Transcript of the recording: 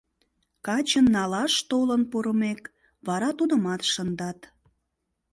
Качын налаш толын пурымек, вара тудымат шындат.